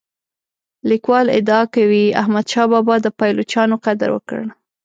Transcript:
لیکوال ادعا کوي احمد شاه بابا د پایلوچانو قدر وکړ.